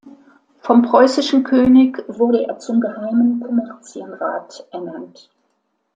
Vom preußischen König wurde er zum „Geheimen Kommerzienrat“ ernannt.